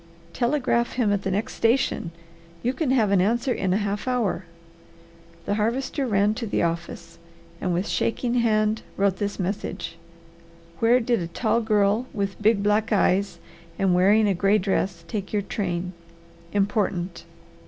"Telegraph him at the next station. You can have an answer in a half hour." The Harvester ran to the office, and with shaking hand wrote this message: "Where did a tall girl with big black eyes and wearing a gray dress take your train? Important."